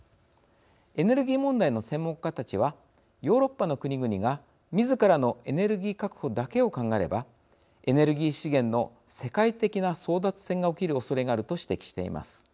エネルギー問題の専門家たちはヨーロッパの国々がみずからのエネルギー確保だけを考えればエネルギー資源の世界的な争奪戦が起きるおそれがあると指摘しています。